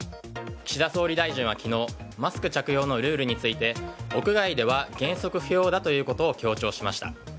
岸田総理大臣は昨日マスク着用のルールについて屋外では原則不要だということを強調しました。